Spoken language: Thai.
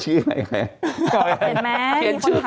เห็นมั๊ย